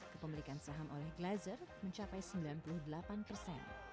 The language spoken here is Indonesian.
kepemilikan saham oleh glazer mencapai sembilan puluh delapan persen